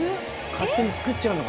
勝手に作っちゃうの？